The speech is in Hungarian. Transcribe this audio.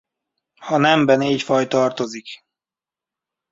A nembe négy faj tartozik.